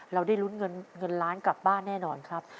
ได้ลุ้นเงินล้านกลับบ้านแน่นอนครับ